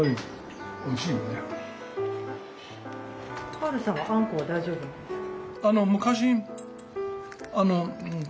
カールさんはあんこは大丈夫なんですか？